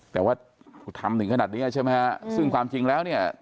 แต่ว่าทำถึงขนาดเนี้ยใช่ไหมฮะซึ่งความจริงแล้วเนี่ย